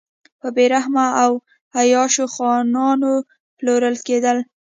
په بې رحمه او عیاشو خانانو پلورل کېدل.